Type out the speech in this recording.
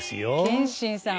謙信さん。